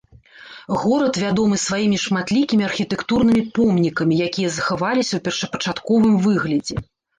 Горад вядомы сваімі шматлікімі архітэктурнымі помнікамі, якія захаваліся ў першапачатковым выглядзе.